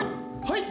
はい！